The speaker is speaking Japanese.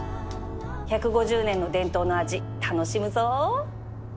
１５０年の伝統の味楽しむぞ！